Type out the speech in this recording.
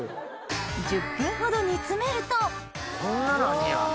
１０分ほど煮詰めるとこんななんねや。